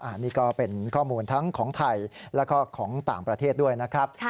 อันนี้ก็เป็นข้อมูลทั้งของไทยแล้วก็ของต่างประเทศด้วยนะครับ